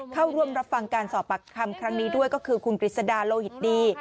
เข้าร่วมรับฟังการสอบปากคำครั้งนี้ด้วยก็คือคุณกฤษดาโลหิตดี